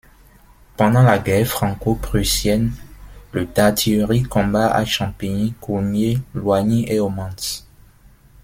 Pendant la guerre franco-prussienne, le d'artillerie combat à Champigny, Coulmiers, Loigny et au Mans.